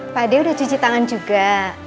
pak dia udah cuci tangan juga